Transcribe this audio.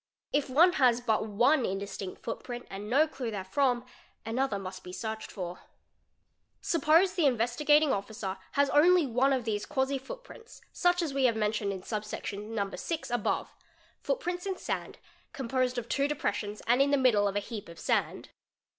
If one has but one indistinct footprint and no clue therefrom, another must be searched for, 512 FOOTPRINTS Suppose the Investigating Officer has only one of those quasi foot prints such as we have mentioned in sub section No. 6 above, footprints in sand, composed of two depressions and in the middle a heap of sand.